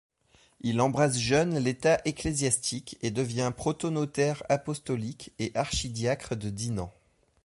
Il embrasse jeune l'état ecclésiastique et devient protonotaire apostolique et archidiacre de Dinan.